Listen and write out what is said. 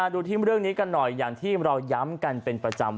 ดูที่เรื่องนี้กันหน่อยอย่างที่เราย้ำกันเป็นประจำ